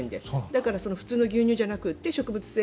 だから普通の牛乳じゃなくて植物性